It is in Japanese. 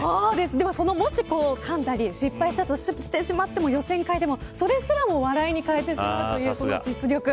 でも、もし、かんだり失敗したとしても予選会でも、それすらも笑いに変えてしまうという実力。